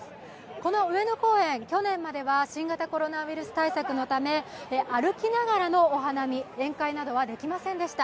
この上の公園、去年までは新型コロナウイルス対策のため歩きながらのお花見、宴会などはできませんでした。